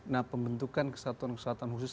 nah pembentukan kesatuan kesehatan khusus